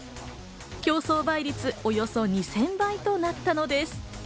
競争倍率、およそ２０００倍となったのです。